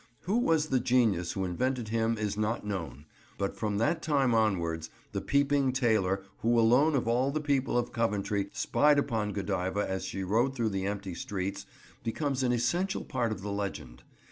Who was the genius who invented him is not known; but from that time onwards the peeping tailor who alone of all the people of Coventry spied upon Godiva as she rode through the empty streets becomes an essential part of the legend.